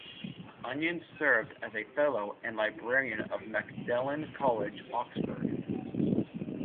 Onions served as a fellow and librarian of Magdalen College, Oxford.